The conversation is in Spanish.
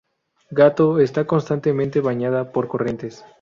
Gato está constantemente bañada por corrientes.